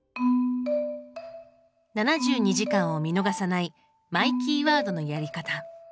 「７２時間」を見逃さないマイキーワードのやり方。